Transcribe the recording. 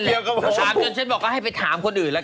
ไม่เกียวกับผมถามก็ฉันบอกว่าให้ไปถามคนอื่นละกัน